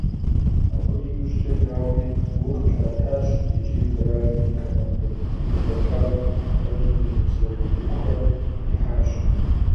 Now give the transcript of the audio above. Абы иужькӏэ, дауи, гу къылъатащ икӏи къэралым и командэ къыхэхам хэту дунейпсо утыкухэм ихьащ.